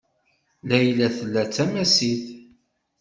Layla tla tamasit.